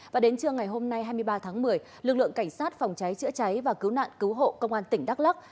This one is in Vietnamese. và đến trưa ngày hôm nay hai mươi ba tháng một mươi lực lượng cảnh sát phòng cháy chữa cháy và cứu nạn cứu hộ công an tỉnh đắk lắc